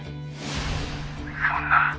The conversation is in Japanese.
「そんな」